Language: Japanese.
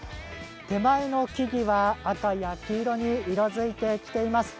手前の木々は秋色に色づいています。